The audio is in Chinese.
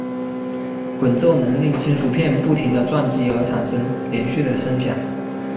滚奏能令金属片不停地撞击而产生连续的声响。